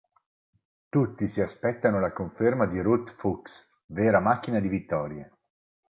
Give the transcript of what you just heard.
Tutti si aspettano la conferma di Ruth Fuchs, vera macchina di vittorie.